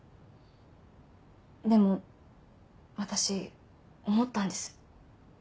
でも私思ったんです。